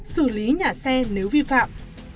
xử lý nhà xe nếu vi phạm